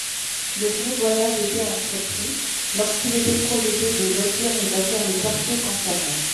Le foudroyage était entrepris lorsqu'il était projeté de lotir et bâtir les quartiers concernés.